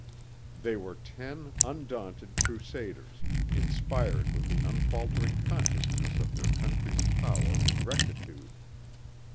They were ten undaunted crusaders inspired with the unfaltering consciousness of their country's power and rectitude.